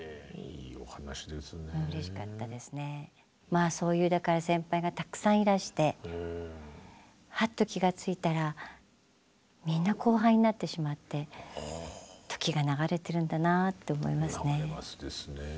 まあそういうだから先輩がたくさんいらしてハッと気がついたらみんな後輩になってしまって時が流れてるんだなぁと思いますね。